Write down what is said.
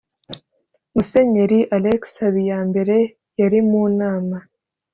musenyeri alexis habiyambere yari mu nama